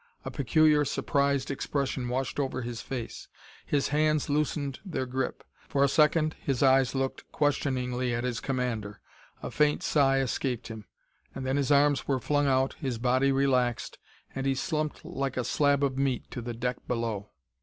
A peculiar, surprised expression washed over his face; his hands loosened their grip. For a second his eyes looked questioningly at his commander; a faint sigh escaped him; and then his arms flung out, his body relaxed, and he slumped like a slab of meat to the deck below....